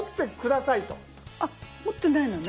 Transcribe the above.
あっ持ってないのね？